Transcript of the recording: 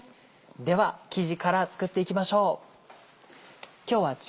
では生地から作っていきましょう。